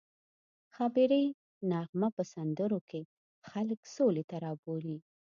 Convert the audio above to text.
ښاپیرۍ نغمه په سندرو کې خلک سولې ته رابولي